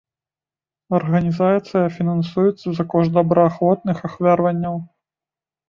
Арганізацыя фінансуецца за кошт добраахвотных ахвяраванняў.